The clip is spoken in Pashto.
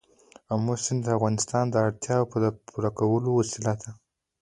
آمو سیند د افغانانو د اړتیاوو د پوره کولو وسیله ده.